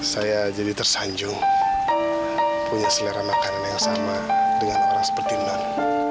saya jadi tersanjung punya selera makanan yang sama dengan orang seperti mbak